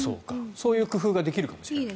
そういう工夫ができるかもしれない。